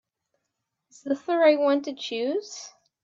Is this the right one to choose?